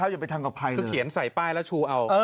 ใช่คือเขียนใส่ป้ายแล้วชูเอา